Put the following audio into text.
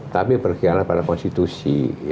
tapi berkhianat pada konstitusi